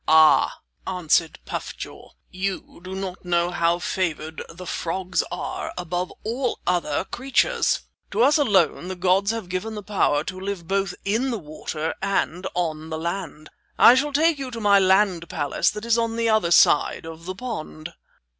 "Ah," answered Puff jaw, "you do not know how favored the frogs are above all other creatures. To us alone the gods have given the power to live both in the water and on the land. I shall take you to my land palace that is the other side of the pond."